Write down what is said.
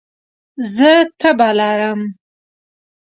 زه تبه لرم